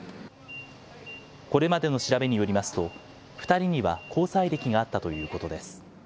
これまでの調べによりますと、２人には交際歴があったということです。